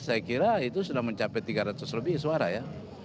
saya kira itu sudah mencapai tiga ratus lebih suara ya